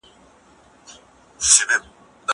زه به سبا سفر وکړم!